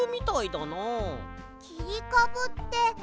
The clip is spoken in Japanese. きりかぶって。